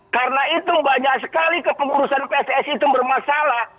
karena itu banyak sekali kepengurusan pssi itu bermasalah